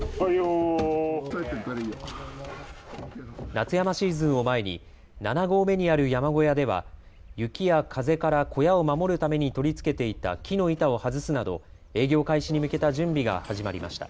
夏山シーズンを前に７合目にある山小屋では雪や風から小屋を守るために取り付けていた木の板を外すなど営業開始に向けた準備が始まりました。